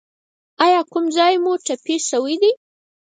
ایا کوم ځای مو ټپي شوی دی؟